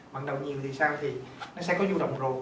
vận động nhiều thì sao thì nó sẽ có du động rụt